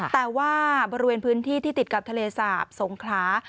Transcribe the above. แต่ว่าบริเวณพื้นที่ที่ติดกับทะเลสาบสงขลา